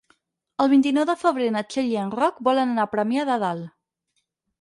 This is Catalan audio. El vint-i-nou de febrer na Txell i en Roc volen anar a Premià de Dalt.